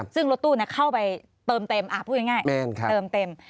ซึ่งรถตู้เข้าไปเติมเต็มพูดง่ายเติมเต็ม